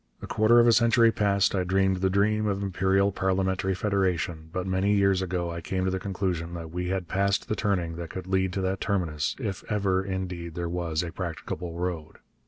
A quarter of a century past I dreamed the dream of imperial parliamentary federation, but many years ago I came to the conclusion that we had passed the turning that could lead to that terminus, if ever, indeed, there was a practicable road.